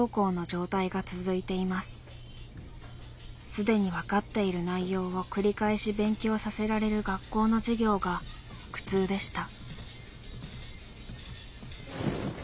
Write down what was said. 既に分かっている内容を繰り返し勉強させられる学校の授業が苦痛でした。